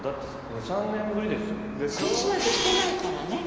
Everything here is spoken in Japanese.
クリスマスしてないからね